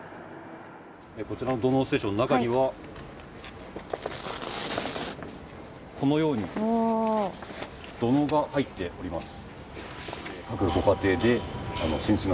こちらの土のうステーションの中にはこのように土のうが入っています。